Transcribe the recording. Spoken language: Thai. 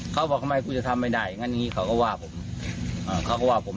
เขาบอกว่าทำไมกูจะทำไม่ได้งั้นอย่างนี้เขาก็ว่าผม